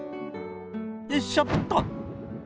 よいしょっと。